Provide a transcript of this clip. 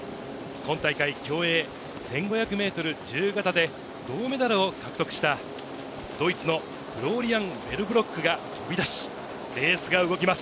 今大会、競泳１５００ｍ自由形で銅メダルを獲得したドイツの選手が飛び出しレースが動きます。